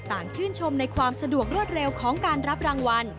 ต่างชื่นชมในความสะดวกรวดเร็วของการรับรางวัล